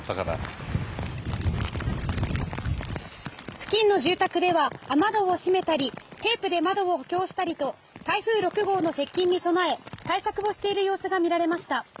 付近の住宅では雨戸を閉めたりテープで窓を補強したりと台風６号の接近に備え対策をしている様子が見られました。